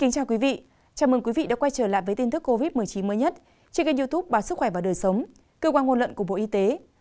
chào mừng quý vị đã quay trở lại với tin tức covid một mươi chín mới nhất trên kênh youtube báo sức khỏe và đời sống cơ quan ngôn luận của bộ y tế